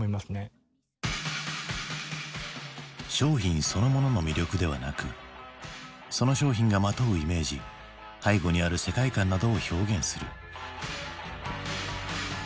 商品そのものの魅力ではなくその商品がまとうイメージ背後にある世界観などを表現する。